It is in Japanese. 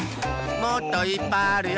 もっといっぱいあるよ！